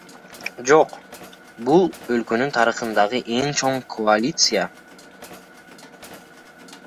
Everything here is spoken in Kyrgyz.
Жок, бул өлкөнүн тарыхындагы эң чоң коалиция.